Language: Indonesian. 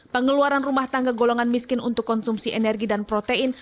pengeluaran rumah tangga golongan miskin untuk konsumsi energi dan protein